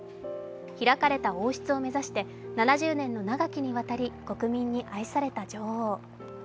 開かれた王室を目指して７０年の長きにわたり国民に愛された女王。